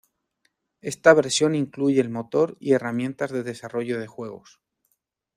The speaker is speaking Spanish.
Esta versión incluye el motor y herramientas de desarrollo de juegos.